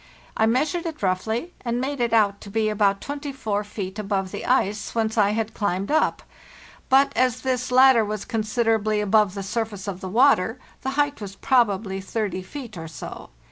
I measured it roughly, and made it out to be about 24 feet above the ice whence I had climbed up; but, as this latter was considerably above the surface of the water, the height was probably 30 feet or so.